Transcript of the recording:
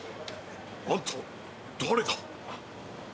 あんた誰だ？